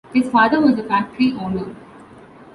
His father was a factory owner.